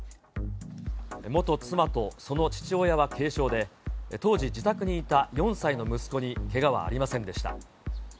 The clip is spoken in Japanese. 元妻とその父親は軽傷で、当時、自宅にいた４歳の息子にけがはありませんでした。